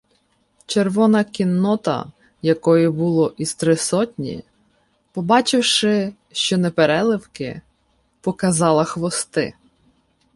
Червона кіннота, якої було із три сотні, побачивши, що непереливки, показала хвости.